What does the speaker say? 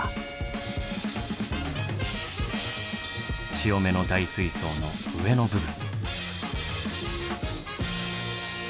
潮目の大水槽の上の部分。